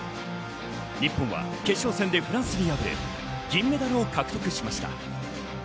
日本は決勝戦でフランスに敗れ、銀メダルを獲得しました。